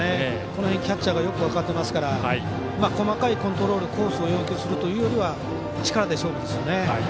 この辺、キャッチャーがよく分かってますから細かいコントロールコースを要求するよりは力で勝負ですよね。